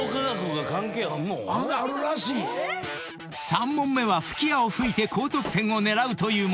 ［３問目は吹き矢を吹いて高得点を狙うというもの］